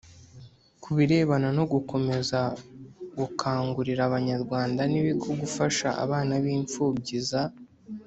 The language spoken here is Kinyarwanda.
ku birebana no gukomeza gukangurira abanyarwanda n ibigo gufasha abana b imfubyi za